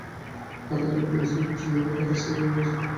পাতা খুললেই পেনসিলে চিহ্নিত তার রাস্তা-গলির নির্দেশ পাবে।